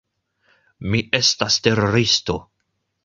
Mi estas teroristo.